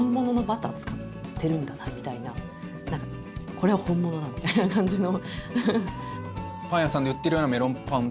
これは本物だみたいな感じの。